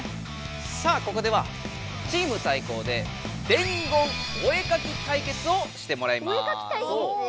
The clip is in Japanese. さあここではチーム対抗で「伝言お絵かき対決」をしてもらいます。